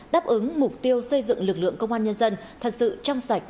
đáp ứng mục tiêu xây dựng lực lượng công an nhân dân thật sự trong sạch